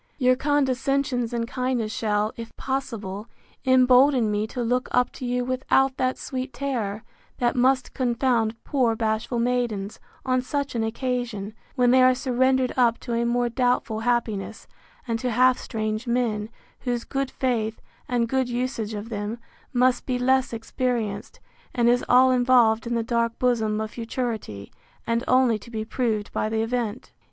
Your condescensions and kindness shall, if possible, embolden me to look up to you without that sweet terror, that must confound poor bashful maidens, on such an occasion, when they are surrendered up to a more doubtful happiness, and to half strange men, whose good faith, and good usage of them, must be less experienced, and is all involved in the dark bosom of futurity, and only to be proved by the event.